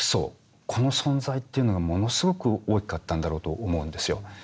この存在というのがものすごく大きかったんだろうと思うんですよ。